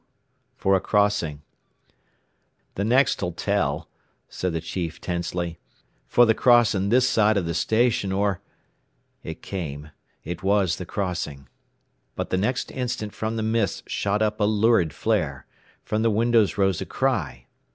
for a crossing. "The next'll tell," said the chief tensely "for the crossing this side of the station, or " It came. It was the crossing. But the next instant from the mist shot up a lurid flare. From the windows rose a cry.